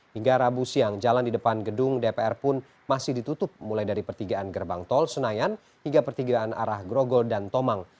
hingga rabu siang jalan di depan gedung dpr pun masih ditutup mulai dari pertigaan gerbang tol senayan hingga pertigaan arah grogol dan tomang